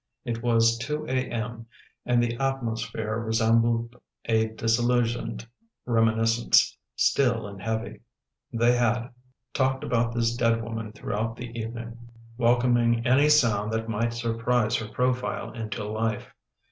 It was two a. m. and the atmosphere resembled a dis illusioned reminiscence: still and heavy. They had talked about this dead woman throughout the evening, welcoming any sound that might surprise her profile into life.